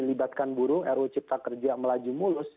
libatkan buruh ru cipta kerja melaju mulus